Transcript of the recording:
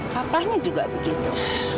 papahnya juga begitu